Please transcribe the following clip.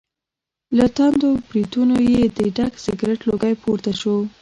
له تاندو برېتونو یې د ډک سګرټ لوګی پور ته شو.